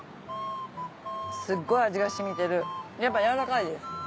すっごい味が染みてるやっぱ軟らかいです。